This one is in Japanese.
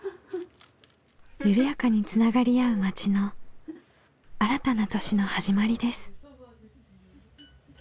緩やかにつながり合う町の新たな年の始まりです。